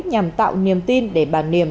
nhằm tạo niềm tin để bà niềm